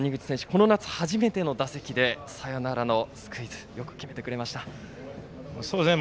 この夏初めての打席でサヨナラのスクイズをよく決めてくれましたね。